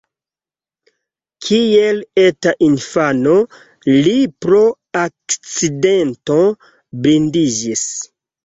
Kiel eta infano li pro akcidento blindiĝis.